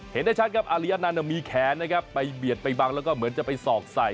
เห็นได้ชัดครับอารีอนันต์มีแขนนะครับไปเบียดไปบังแล้วก็เหมือนจะไปสอกใส่